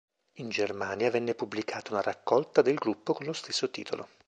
In Germania venne pubblicata una raccolta del gruppo con lo stesso titolo.